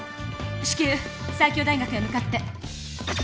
し急西京大学へ向かって。